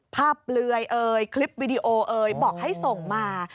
ภาพเรื่อยคลิปวิดีโอบอกให้ส่งมา